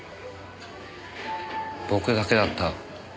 僕だけだった。